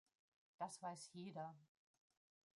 Das weiß jeder.